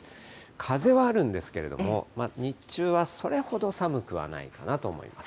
風はあるんですけれども、日中はそれほど寒くはないかなと思います。